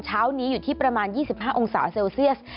เช้านี้อยู่ที่ประมาณ๒๕องศาเซลเซียส